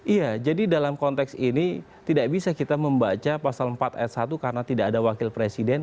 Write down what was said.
iya jadi dalam konteks ini tidak bisa kita membaca pasal empat ayat satu karena tidak ada wakil presiden